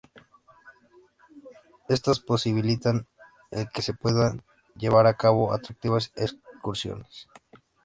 Estas posibilitan el que se puedan llevar a cabo atractivas excursiones.